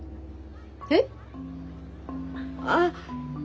えっ？ああ。